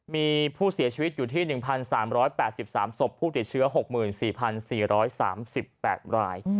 มีผู้เสียชีวิตอยู่ที่๑๓๘๓ศพผู้ติดเชื้อ๖๔๔๓๘ราย